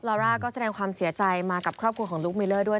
อร่าก็แสดงความเสียใจมากับครอบครัวของลูกมิลเลอร์ด้วย